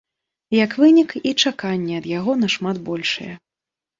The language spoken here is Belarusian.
Як вынік, і чаканні ад яго нашмат большыя.